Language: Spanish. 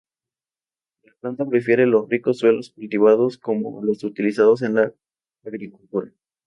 La planta prefiere los ricos suelos cultivados, como los utilizados en la agricultura.